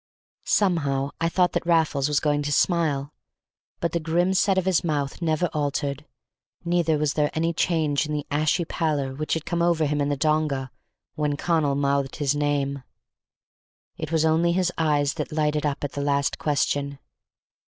Somehow I thought that Raffles was going to smile, but the grim set of his mouth never altered, neither was there any change in the ashy pallor which had come over him in the donga when Connal mouthed his name. It was only his eyes that lighted up at the last question.